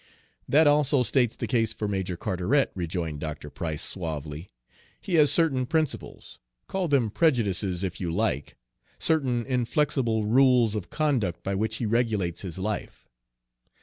"That also states the case for Major Carteret," rejoined Dr. Price, suavely. "He has certain principles, call them prejudices, if you like, certain inflexible rules of conduct by which he regulates his life.